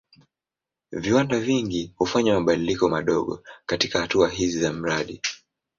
Viwanda vingi hufanya mabadiliko madogo katika hatua hizi za mradi.